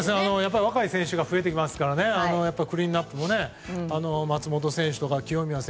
若い選手が増えてきますからクリーンアップも松本選手